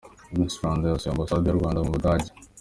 Miss Rwanda yasuye Ambasade y'u Rwanda mu Budage.